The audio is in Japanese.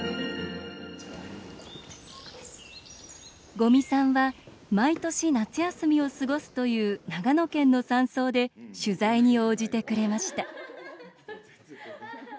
五味さんは毎年、夏休みを過ごすという長野県の山荘で取材に応じてくれました。